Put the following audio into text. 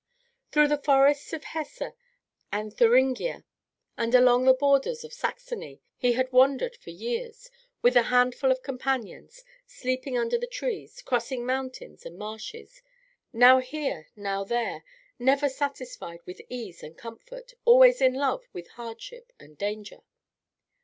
Through the forests of Hesse and Thuringia, and along the borders of Saxony, he had wandered for years, with a handful of companions, sleeping under the trees, crossing mountains and marshes, now here, now there, never satisfied with ease and comfort, always in love with hardship and danger.